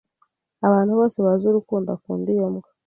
Abantu bose bazi urukundo akunda iyo mbwa.